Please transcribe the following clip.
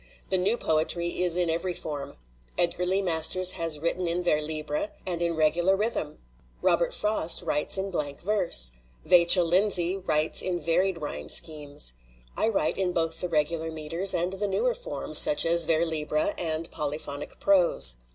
The new poetry is in every form. Edgar Lee Masters has written in vers libre and in regular rhythm. Robert Frost writes in blank verse. Vachell Lindsay writes in varied rhyme schemes. I write in both the regular meters and the newer forms, such as vers libre and 'polyphonic prose.'